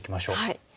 はい。